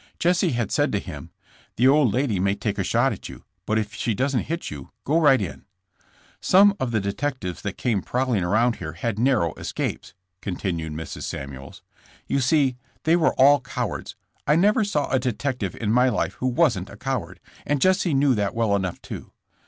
Jesse had said to him: '' 'The old lady may take a shot at you, but if she doesn't hit you, go right in.' *'Some of the detectives that came prowling around here had narrow escapes," continued Mrs. Samuels. *'You see, they were all cowards; I never saw a detective in all my life who wasn't a coward, and Jesse knew that well enough, too.